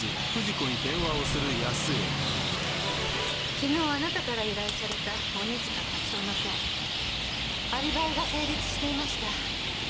昨日あなたから依頼された鬼塚辰夫の件アリバイが成立していました。